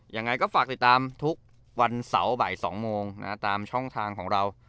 ยังไงก็ฝากติดตามทุกวันเสาร์บ่าย๒โมงตามช่องทางของเรา